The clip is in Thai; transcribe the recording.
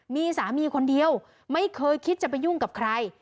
มีสามีคนเดียวไม่เคยคิดจะไปยุ่งกับใคร